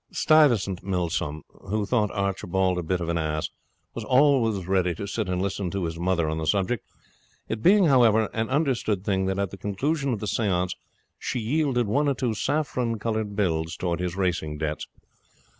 Stuyvesant Milsom, who thought Archibald a bit of an ass, was always ready to sit and listen to his mother on the subject, it being, however, an understood thing that at the conclusion of the seance she yielded one or two saffron coloured bills towards his racing debts.